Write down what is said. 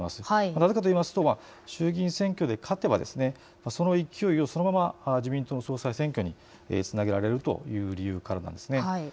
なぜかといいますと衆議院選挙で勝てばその勢いをそのまま自民党総裁選挙につなげられるという理由からなんです。